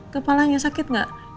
kepalanya sakit gak